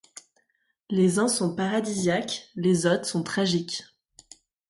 Les uns sont paradisiaques, les autres sont tragiques.